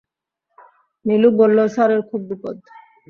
নীলু বলল, স্যারের খুব বিপদ।